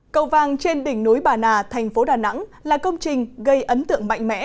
cầu vang trên đỉnh núi bà nà thành phố đà nẵng là công trình gây ấn tượng mạnh mẽ